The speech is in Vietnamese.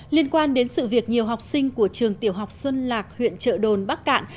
liên quan đến sự việc nhiều học sinh của trường tiểu học xuân lạc huyện trợ đồn bắc cạn